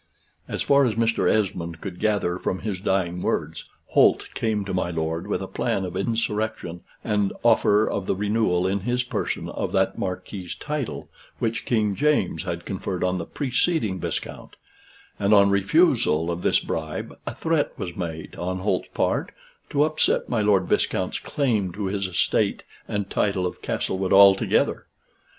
As far as Mr. Esmond could gather from his dying words, Holt came to my lord with a plan of insurrection, and offer of the renewal, in his person, of that marquis's title which King James had conferred on the preceding viscount; and on refusal of this bribe, a threat was made, on Holt's part, to upset my Lord Viscount's claim to his estate and title of Castlewood altogether.